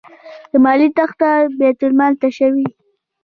له مالیې تیښته بیت المال تشوي.